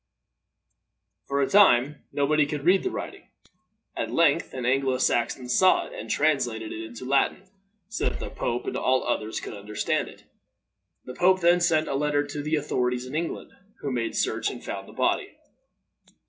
For a time nobody could read the writing. At length an Anglo Saxon saw it, and translated it into Latin, so that the pope and all others could understand it. The pope then sent a letter to the authorities in England, who made search and found the body.